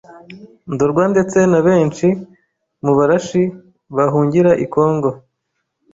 Ndorwa ndetse na benshi mu Barashi bahungira i Congo,